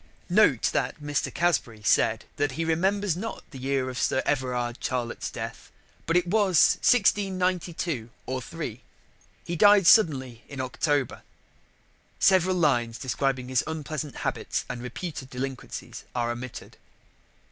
"Note that Mr. Casbury said that he remembers not the year of Sir Everard Charlett's death, but it was 1692 or 3. He died suddenly in October. [Several lines describing his unpleasant habits and reputed delinquencies are omitted.